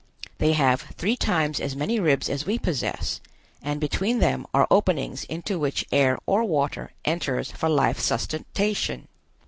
They have three times as many ribs as we possess, and between them are openings into which air or water enters for life sustentation.